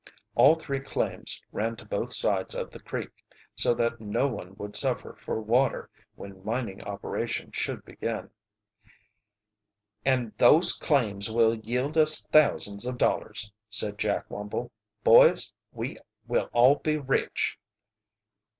All three claims ran to both sides of the creek, so that no one would suffer for water when mining operations should begin. "And those claims will yield us thousands of dollars!" said Jack Wumble. "Boys, we will all be rich."